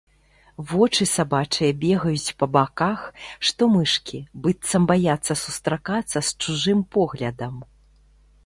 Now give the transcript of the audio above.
Вочы сабачыя бегаюць па баках, што мышкі, быццам баяцца сустракацца з чужым поглядам.